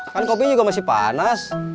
kan kopinya juga masih panas